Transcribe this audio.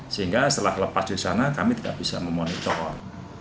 sehingga setelah lepas dari sana kami tidak bisa memonitor